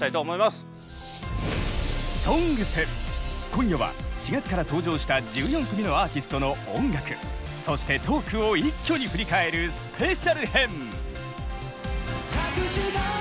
「ＳＯＮＧＳ」今夜は４月から登場した１４組のアーティストの音楽そしてトークを一挙に振り返るスペシャル編！